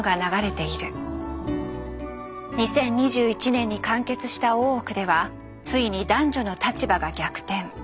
２０２１年に完結した「大奥」ではついに男女の立場が逆転。